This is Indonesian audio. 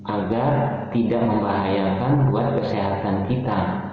agar tidak membahayakan buat kesehatan kita